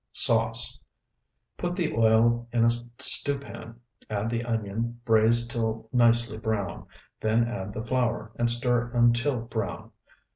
SAUCE Put the oil in a stew pan, add the onion, braize till nicely browned, then add the flour, and stir until brown.